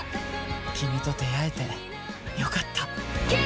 キミと出会えてよかった。